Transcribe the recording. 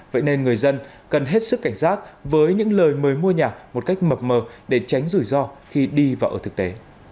vậy nên người dân cần hết sức cảnh giác với những lời mời mua nhà một cách mập mờ để tránh rủi ro khi đi vào ở thực tế